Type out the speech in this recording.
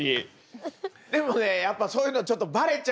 でもねやっぱそういうのちょっとバレちゃうのよやっぱ。